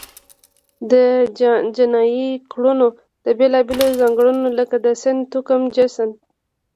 د جنایي کړنو د بیلابېلو ځانګړنو لکه د سن، توکم، جنس،